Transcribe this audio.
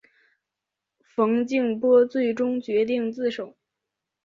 冯静波最终决定自首。